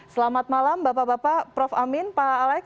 selamat malam bapak bapak prof amin pak alex